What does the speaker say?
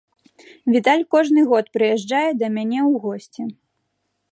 Віталь кожны год прыязджае да мяне ў госці.